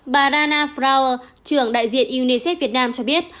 bà dana flower trưởng đại diện unicef việt nam cho biết